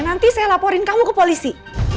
nanti saya laporin kamu ke polisi